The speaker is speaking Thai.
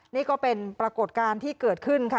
นี่ก็เป็นปรากฏการณ์ที่เกิดขึ้นค่ะ